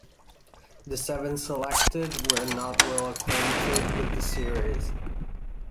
The seven selected were not well-acquainted with the series.